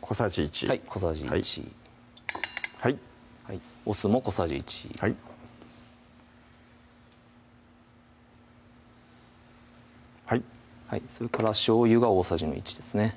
小さじ１はい小さじ１お酢も小さじ１はいそれからしょうゆが大さじの１ですね